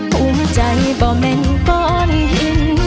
ภูมิใจบ่มันก่อนทิ้ง